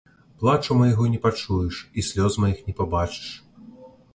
Плачу майго не пачуеш і слёз маіх не пабачыш.